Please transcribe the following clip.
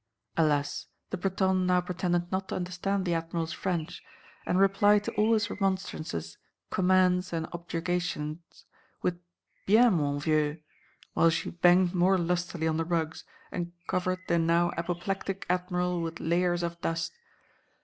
Alas, the Bretonne now pretended not to understand the Admiral's French, and replied to all his remonstrances, commands, and objurgations, with "Bien, mon vieux!" while she banged more lustily on the rugs and covered the now apoplectic Admiral with layers of dust.